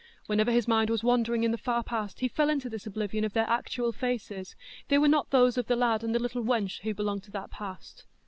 Whenever his mind was wandering in the far past, he fell into this oblivion of their actual faces; they were not those of the lad and the little wench who belonged to that past.